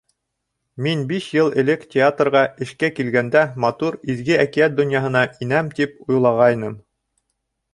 Мин биш йыл элек театрға эшкә килгәндә матур, изге әкиәт донъяһына инәм тип уйлағайным.